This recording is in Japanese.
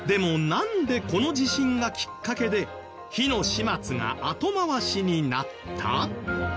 なんでこの地震がきっかけで火の始末が後回しになった？